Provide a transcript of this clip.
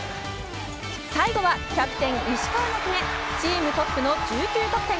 最後はキャプテン石川が決めチームトップの１９得点。